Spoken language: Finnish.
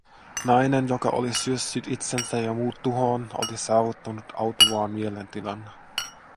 Nainen, joka oli syössyt itsensä ja muut tuhoon, oli saavuttanut autuaan mielentilan.